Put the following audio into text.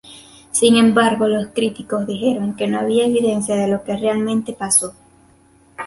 Sin embargo, los críticos dijeron que no había evidencia de lo que realmente pasó.